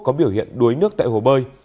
có biểu hiện đuối nước tại hồ bơi